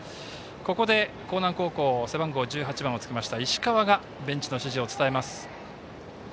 ここで興南高校背番号１８番をつけました石川がベンチの指示を伝えます。